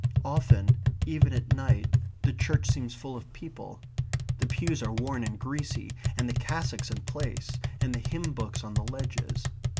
Often, even at night, the church seems full of people. The pews are worn and greasy, and the cassocks in place, and the hymn books on the ledges.